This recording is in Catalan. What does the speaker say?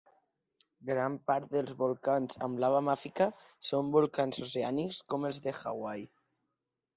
Gran part dels volcans amb lava màfica són volcans oceànics com els de Hawaii.